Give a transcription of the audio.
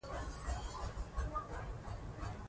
دی غواړي چې موږ په سمه لاره لاړ شو.